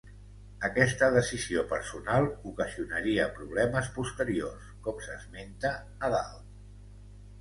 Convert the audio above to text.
Aquesta decisió personal ocasionaria problemes posteriors, com s'esmenta a dalt.